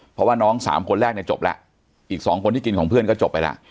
เพราะว่าน้องสามคนแรกเนี่ยจบแล้วอีก๒คนที่กินของเพื่อนก็จบไปแล้ว